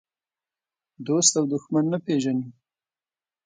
دوست او دښمن نه پېژني.